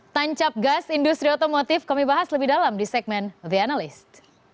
tancap gas industri otomotif kami bahas lebih dalam di segmen the analyst